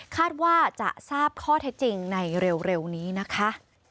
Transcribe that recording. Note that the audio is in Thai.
คาดว่าจะทราบข้อเท็จจริงในเร็วนี้นะคะ